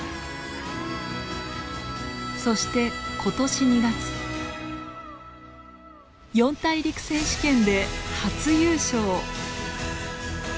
そして今年２月四大陸選手権で初優勝。